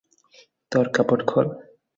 তোর কাপড় খোল!